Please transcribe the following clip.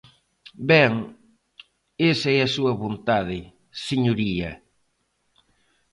Ben, esa é a súa vontade, señoría.